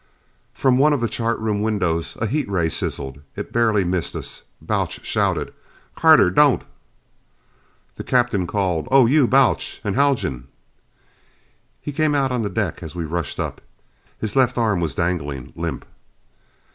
From one of the chart room windows a heat ray sizzled. It barely missed us. Balch shouted, "Carter don't!" The Captain called, "Oh you, Balch and Haljan " He came out on the deck as we rushed up. His left arm was dangling limp.